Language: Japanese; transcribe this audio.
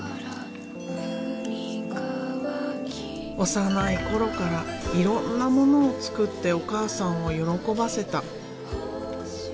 幼い頃からいろんなものを作ってお母さんを喜ばせた。